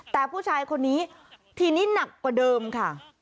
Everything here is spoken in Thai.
แต่ผู้ชายคนนี้ทีนี้หนักกว่าเดิมค่ะ